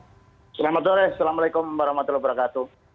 selamat sore assalamualaikum warahmatullahi wabarakatuh